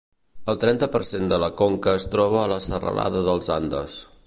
El trenta per cent de la conca es troba a la serralada dels Andes.